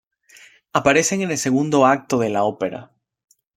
Aparecen en el segundo acto de la ópera.